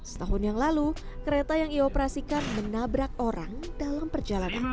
setahun yang lalu kereta yang dioperasikan menabrak orang dalam perjalanan